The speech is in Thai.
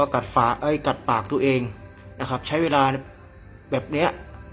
แกร่งแบบนี้